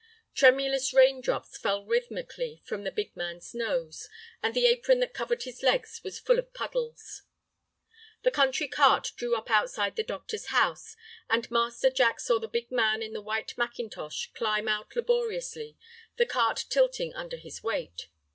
Tremulous rain drops fell rhythmically from the big man's nose, and the apron that covered his legs was full of puddles. The country cart drew up outside the doctor's house, and Master Jack saw the big man in the white mackintosh climb out laboriously, the cart tilting under his weight.